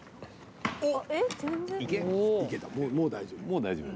もう大丈夫。